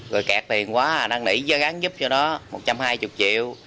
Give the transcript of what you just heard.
rồi kẹt tiền quá à đang nỉ cho gắn giúp cho nó một trăm hai mươi triệu